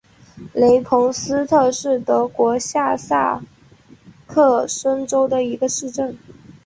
雷彭斯特是德国下萨克森州的一个市镇。